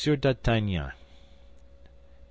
D'ARTAGNAN, MM.